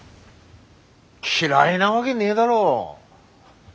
嫌いなわげねえだろ。